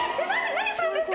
何するんですか？